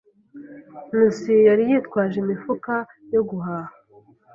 Nkusi yari yitwaje imifuka yo guhaha.